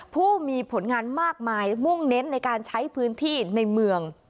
ผู้มีผลงานมากมายมุ่งเน้นในการใช้พื้นที่ในเมือง